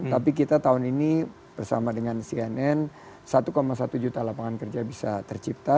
tapi kita tahun ini bersama dengan cnn satu satu juta lapangan kerja bisa tercipta